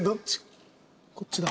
こっちだ。